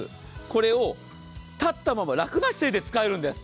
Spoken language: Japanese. これを立ったまま楽な姿勢で使えるんです。